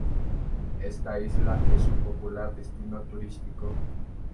Esta isla es un popular destino turístico.